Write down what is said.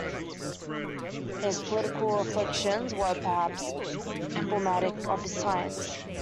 His political affiliations were, perhaps, emblematic of his times.